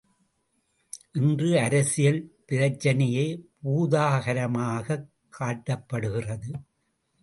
இன்று அரசியல் பிரச்சனையே பூதாகரமாகக் காட்டப்படுகிறது.